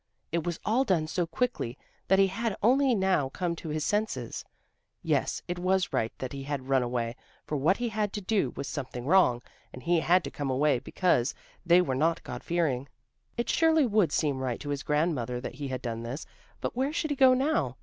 It was all done so quickly that he had only now come to his senses. Yes, it was right that he had run away, for what he had to do was something wrong, and he had to come away because they were not God fearing. It surely would seem right to his grandmother that he had done this. But where should he go now?